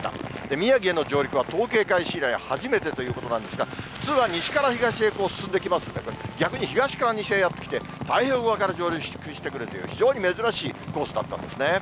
宮城への上陸は統計開始以来初めてということなんですが、普通は西から東へ進んできますので、逆に東から西へやって来て、太平洋側から上陸してくるという、非常に珍しいコースだったんですね。